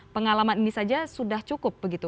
pengalaman ini saja sudah cukup begitu